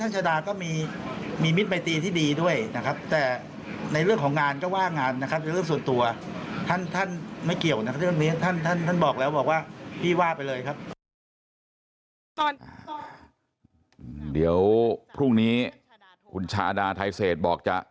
ส่วนตัวท่านไม่เกี่ยวนะครับท่านบอกแล้วว่าพี่ว่าไปเลยครับ